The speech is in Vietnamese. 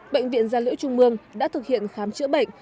bệnh viện gia liễu trung mương đã thực hiện khám chữa bệnh